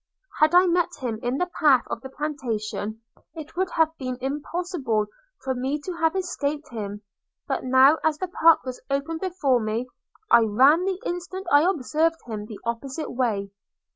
– Had I met him in the path of the plantation, it would have been impossible for me to have escaped him; but now, as the park was open before me, I ran the instant I observed him the opposite way.